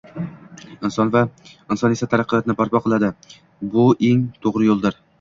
inson esa taraqqiyotni barpo qiladi, bu eng to‘g‘ri yo‘ldir.